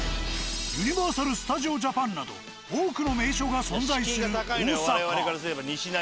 ユニバーサル・スタジオ・ジャパンなど多くの名所が存在する大阪。